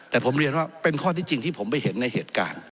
แต่ผมเรียนว่าเป็นข้อที่จริงที่ผมไปเห็นในเหตุการณ์